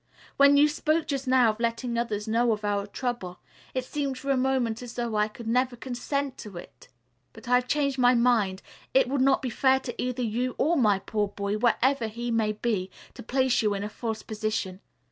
When you spoke just now of letting others know of our trouble, it seemed for a moment as though I could never consent to it. But I have changed my mind. It would not be fair either to you or my poor boy, wherever he may be, to place you in a false position.